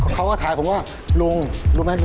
เขาก็ถ่ายผมว่าลุงรู้ไหม